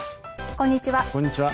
こんにちは。